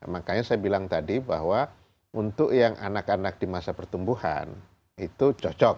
makanya saya bilang tadi bahwa untuk yang anak anak di masa pertumbuhan itu cocok